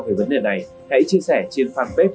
về vấn đề này hãy chia sẻ trên fanpage